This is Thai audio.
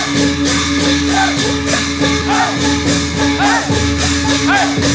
เข้ามา